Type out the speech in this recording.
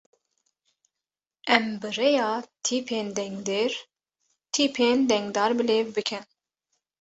Em bi rêya tîpên dengdêr, tîpên dengdar bi lêv bikin.